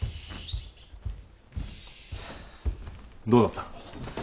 どうだった？